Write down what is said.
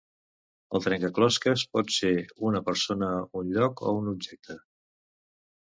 El trencaclosques pot ser una persona, un lloc o un objecte.